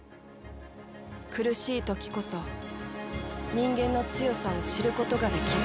苦しいときこそ人間の強さを知ることができる。